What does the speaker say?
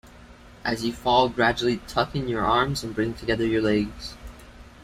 As you fall, gradually tuck in your arms, and bring together your legs.